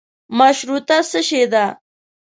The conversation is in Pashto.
مشروطه څشي ده.